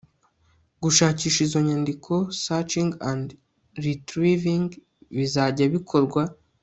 gushakisha izo nyandiko searching and retrieving bizajya bikorwa